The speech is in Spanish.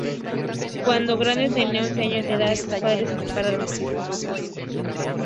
Cuando Grande tenía once años de edad, sus padres se separaron.